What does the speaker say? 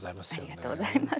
ありがとうございます。